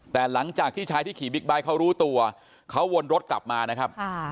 แต่หลังจากที่ชายที่ขี่บิ๊กไบท์เขารู้ตัวเขาวนรถกลับมานะครับ